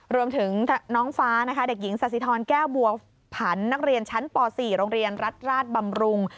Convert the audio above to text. รวมถึงน้องฟ้านะคะเด็กหญิงสัสสิทรแก้วบัวผันนักเรียนชั้นป๔โรงเรียนรัฐราชบำรุง